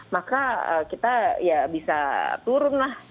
maka kita ya bisa turun lah